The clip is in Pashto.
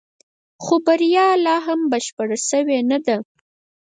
خو بريا لا هم بشپړه شوې نه وه.